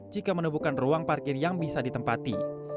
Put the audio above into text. jika menemukan ruang parkir yang bisa ditempati